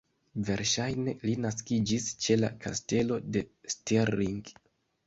Verŝajne li naskiĝis ĉe la Kastelo de Stirling.